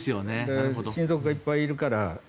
親族がいっぱいいるから。